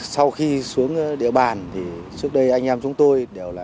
sau khi xuống địa bàn thì trước đây anh em chúng tôi đều là